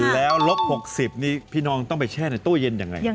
แล้วลบ๖๐นี่พี่น้องต้องไปแช่ในตู้เย็นอย่างไร